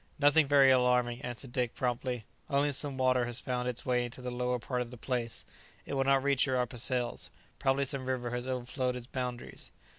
"Nothing very alarming," answered Dick promptly; "only some water has found its way into the lower part of the place; it will not reach your upper cells; probably some river has overflowed its boundaries."